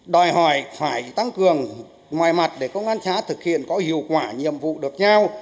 đòi hỏi phải tăng cường ngoài mặt để công an xã thực hiện có hiệu quả nhiệm vụ được giao